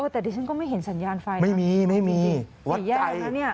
แต่ดิฉันก็ไม่เห็นสัญญาณไฟนะไม่มีวัดใจสีแยกนะ